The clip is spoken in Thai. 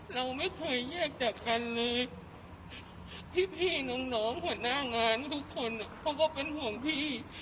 เราไม่เคยแยกจากกันเลยพี่น้องหัวหน้างานทุกคนเขาก็เป็นห่วงพี่